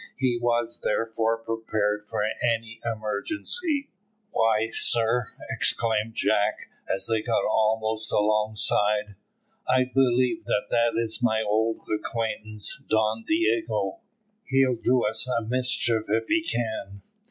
He was, therefore, prepared for any emergency. "Why, sir," exclaimed Jack, as they got almost alongside, "I do believe that is my old acquaintance Don Diogo. He'll do us a mischief if he can."